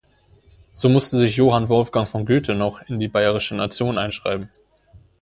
So musste sich Johann Wolfgang von Goethe noch in die "bayerische Nation" einschreiben.